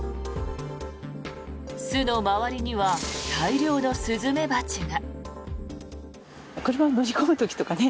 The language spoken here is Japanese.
巣の周りには大量のスズメバチが。